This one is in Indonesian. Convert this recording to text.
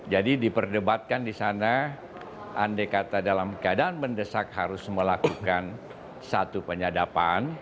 jadi diperdebatkan di sana andai kata dalam keadaan mendesak harus melakukan satu penyadapan